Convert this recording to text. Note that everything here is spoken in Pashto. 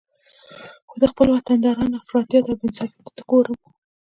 خو د خپل وطندارانو افراطیت او بې انصافي ته ګورم